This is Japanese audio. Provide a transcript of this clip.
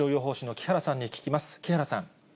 木原さん。